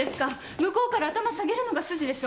向こうから頭下げるのが筋でしょ？